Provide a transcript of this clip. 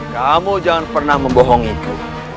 kamu jangan pernah membohongiku